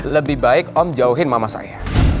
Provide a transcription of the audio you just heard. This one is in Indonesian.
lebih baik om jauhin mama saya